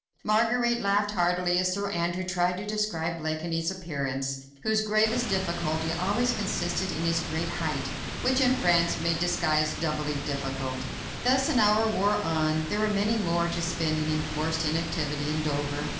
Marguerite laughed heartily as Sir Andrew tried to describe Blakeney's appearance, whose gravest difficulty always consisted in his great height, which in France made disguise doubly difficult. Thus an hour wore on. There were many more to spend in enforced inactivity in Dover.